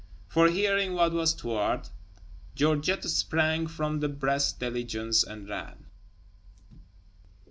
For hearing what was toward, Georget sprang from the Brest Diligence, and ran.